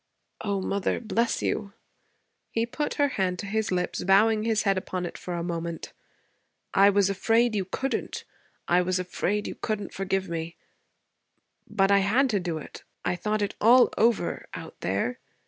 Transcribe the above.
'O mother, bless you!' He put her hand to his lips, bowing his head upon it for a moment. 'I was afraid you couldn't. I was afraid you couldn't forgive me. But I had to do it. I thought it all over out there.